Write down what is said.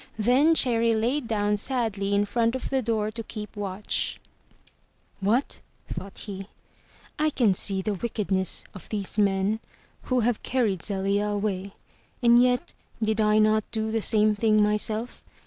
Then Cherry lay down sadly in front of the door to keep watch. 334 THROUGH FAIRY HALLS *'Whatr' thought he, "I can see the wickedness of these men who have carried Zelia away. And yet did I not do the same thing myself?